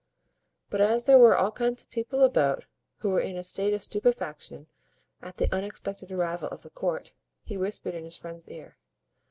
But as there were all kinds of people about, who were in a state of stupefaction at the unexpected arrival of the court, he whispered in his friend's ear.